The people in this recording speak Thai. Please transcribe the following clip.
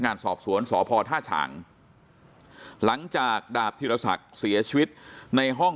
งานสอบสวนสพทชังหลังจากดาบธิรษัทเสียชีวิตในห้อง